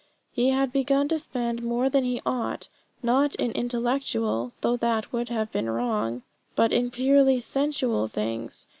He had begun to spend more than he ought, not in intellectual though that would have been wrong but in purely sensual things.